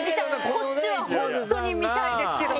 こっちは本当に見たいですけど。